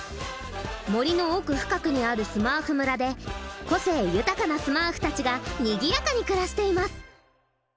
森の奥深くにあるスマーフ村で個性豊かなスマーフたちがにぎやかに暮らしています。